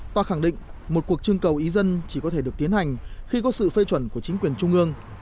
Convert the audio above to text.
tòa khẳng định một cuộc trưng cầu ý dân chỉ có thể được tiến hành khi có sự phê chuẩn của chính quyền trung ương